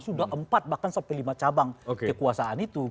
sudah empat bahkan sampai lima cabang kekuasaan itu